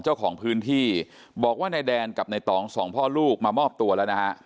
เจ้าของพื้นที่บอกว่านายแดนกับในตองสองพ่อลูกมามอบตัวแล้วนะฮะ